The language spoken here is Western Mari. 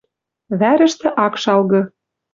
Вӓрӹштӹ ак шалгы